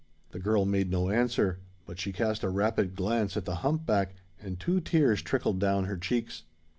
The girl made no answer; but she cast a rapid glance at the hump back, and two tears trickled down her cheeks.